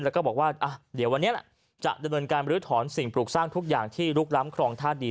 แล้วก็บอกว่าทุกคนก็ลือถอนสิ่งปลูกสร้างทุกอย่างที่ลุกลำครองท่านดี